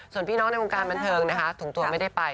ส่วนพี่น้องในวงการบันเทิงนะคะถุงตัวไม่ได้ไป